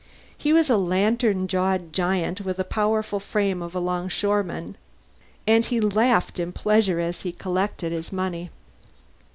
He was a lantern jawed giant with the powerful frame of a longshoreman, and he laughed in pleasure as he collected his money.